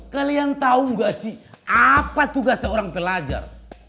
kalian tau gak sih apa tugas seorang pelajar